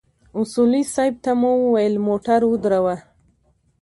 اصولي صیب ته مو وويل موټر ودروه.